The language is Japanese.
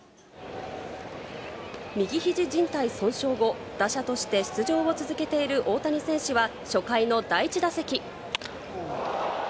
右ひじじん帯損傷後、打者として出場を続けている大谷選手は、初回の第１打席。